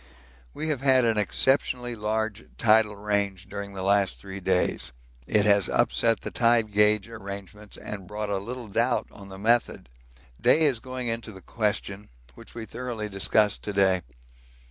We have had an exceptionally large tidal range during the last three days it has upset the tide gauge arrangements and brought a little doubt on the method. Day is going into the question, which we thoroughly discussed to day.